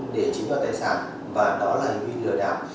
để chính vào tài sản và đó là hành vi lừa đảo